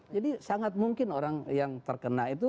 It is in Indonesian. jadi sangat mungkin orang yang terkena itu